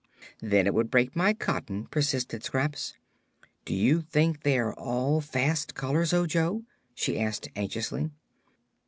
"Then it would break my cotton," persisted Scraps. "Do you think they are all fast colors, Ojo?" she asked anxiously.